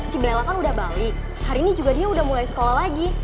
si bella kan udah balik hari ini juga dia udah mulai sekolah lagi